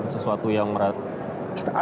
sesuatu yang meratuhkan